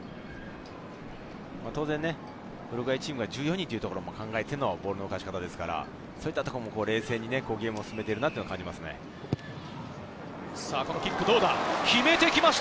当然、ウルグアイチームが１４人ということも考えてのボールの動かし方ですから、冷静にゲームを進めてるなと感じます。